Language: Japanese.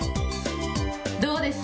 どうです？